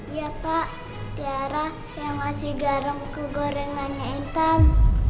iya pak ciara yang ngasih garam ke gorengannya intan